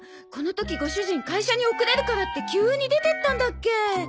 この時ご主人会社に遅れるからって急に出てったんだっけ。